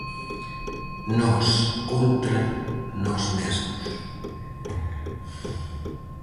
Nós contra nós mesmos.